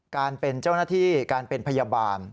การเป็นเจ้าหน้าที่การเป็นพยาบาล